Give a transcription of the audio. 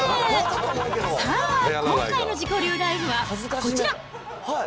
さあ、今回の自己流ライフはこちら。